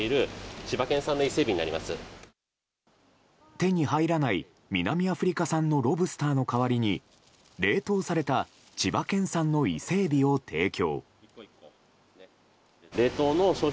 手に入らない南アフリカ産のロブスターの代わりに冷凍された千葉県産の伊勢エビを提供。